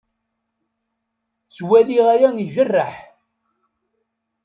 Ttwaliɣ aya ijerreḥ.